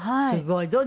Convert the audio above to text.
すごい。